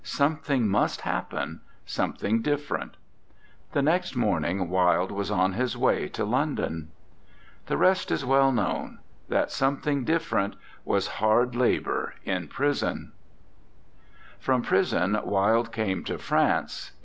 Something must happen something different." The next morning Wilde was on his way to London. The rest is well known. That "some thing different" was hard labor in prison. ANDRE GIDE From prison Wilde came to France.